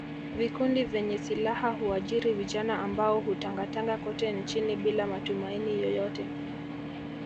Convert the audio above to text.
Vikundi vyenye silaha huajiri vijana ambao hutangatanga kote nchini bila matumaini yoyote